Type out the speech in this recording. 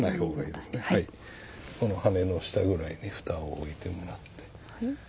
羽根の下ぐらいに蓋を置いてもらって。